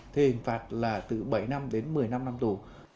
thì hình phạt là từ bảy năm đến một mươi năm năm tù